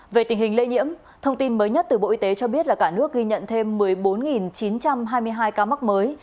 về tình hình lây nhiễm thông tin mới nhất từ bộ y tế cho biết là cả nước ghi nhận thêm một mươi bốn chín trăm hai mươi hai ca mắc mới